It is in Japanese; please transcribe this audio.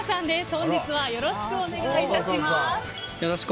本日はよろしくお願い致します。